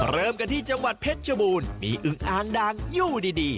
เริ่มกันที่จังหวัดเพชรชบูรณ์มีอึงอ่างดังอยู่ดี